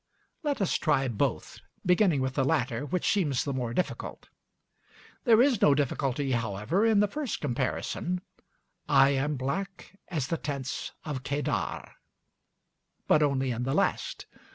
Let us try both, beginning with the latter, which seems the more difficult. There is no difficulty, however, in the first comparison, "I am black as the tents of Kedar," but only in the last.